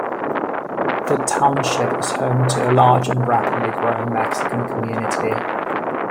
The township is home to a large and rapidly growing Mexican community.